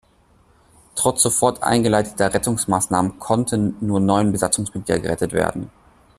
Trotz sofort eingeleiteter Rettungsmaßnahmen konnten nur neun Besatzungsmitglieder gerettet werden.